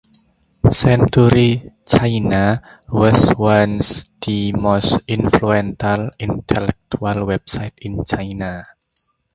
Century China was once the most influential intellectual website in China.